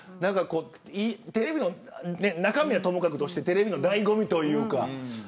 テレビの中身はともかくとしてテレビの醍醐味というか。